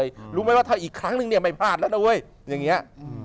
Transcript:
ครับพี่อาหารกลับมาพี่แสวง่าย